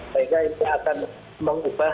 sehingga ini akan mengubah